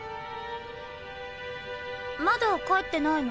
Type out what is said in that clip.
まだ帰ってないの？